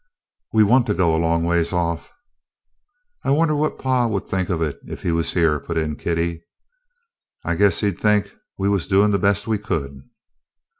"We want to go a long ways off." "I wonder what pa would think of it if he was here," put in Kitty. "I guess he 'd think we was doin' the best we could."